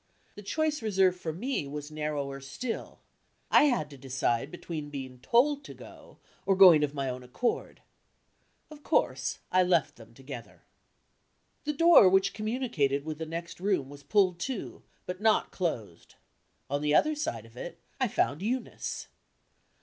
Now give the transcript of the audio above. The choice reserved for me was narrower still I had to decide between being told to go, or going of my own accord. Of course, I left them together. The door which communicated with the next room was pulled to, but not closed. On the other side of it, I found Eunice.